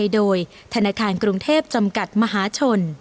โดยธนาคารกรุงเทพจำกัดมหาชน